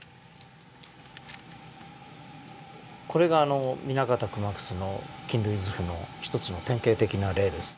これが南方熊楠の菌類図譜の一つの典型的な例です。